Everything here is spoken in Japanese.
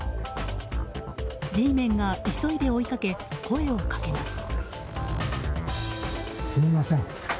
Ｇメンが急いで追いかけ声をかけます。